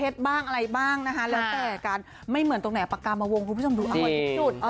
ตรงไหนปากกามาวงคุณผู้ชมดูเอาอันนี้จุด